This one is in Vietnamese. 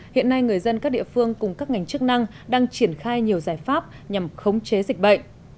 hiện nay người dân các địa phương cùng các ngành chức năng đang triển khai nhiều giải pháp nhằm khống chế dịch bệnh